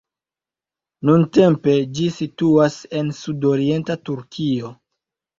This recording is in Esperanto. Nuntempe ĝi situas en sudorienta Turkio.